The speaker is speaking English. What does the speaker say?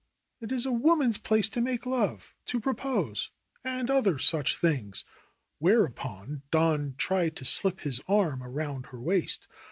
^^It is a woman's place to make love, to propose and other such things." Whereupon Don tried to slip his arm around her waist.